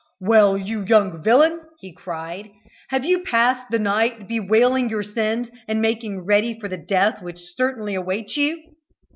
"Well, you young villain!" he cried; "have you passed the night bewailing your sins, and making ready for the death which certainly awaits you?"